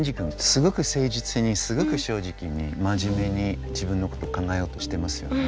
すごく誠実にすごく正直に真面目に自分のこと考えようとしてますよね。